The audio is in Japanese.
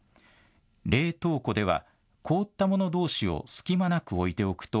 冷凍庫では凍ったものどうしを隙間なく置いておくと